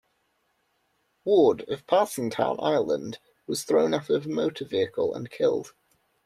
Ward, of Parsonstown, Ireland, was thrown out of a motor vehicle and killed.